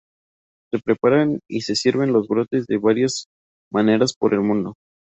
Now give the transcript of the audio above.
Se preparan y se sirven los brotes de varias maneras por el mundo.